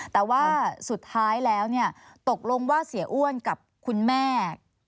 แต่ว่าสุดท้ายแล้วตกลงว่าเสียอ้วนกับคุณแม่